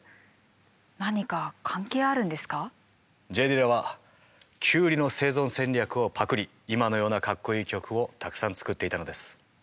Ｊ・ディラはキュウリの生存戦略をパクり今のようなかっこいい曲をたくさん作っていたのです。